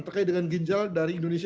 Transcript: terkait dengan ginjal dari indonesia